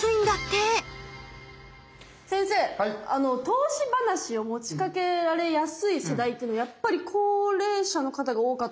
先生投資話を持ちかけられやすい世代っていうのやっぱり高齢者の方が多かったりするんですか？